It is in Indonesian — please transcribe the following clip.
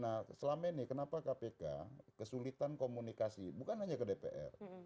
nah selama ini kenapa kpk kesulitan komunikasi bukan hanya ke dpr